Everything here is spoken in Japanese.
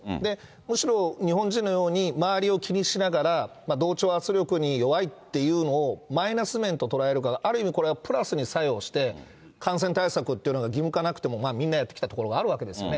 むしろ日本人のように周りを気にしながら、同調圧力に弱いっていうのをマイナス面と捉えるか、ある意味これはプラスに作用して、感染対策というのが義務化なくてもみんなやってきたところもあるわけですよね。